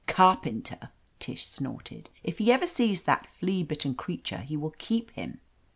"Carpenter!" Tish snorted. "If he ever sees that flea bitten creature he will keep him."